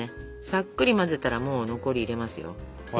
さっくり混ぜたらもう残り入れますよ。